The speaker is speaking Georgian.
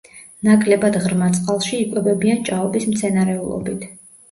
ნაკლებად ღრმა წყალში იკვებებიან ჭაობის მცენარეულობით.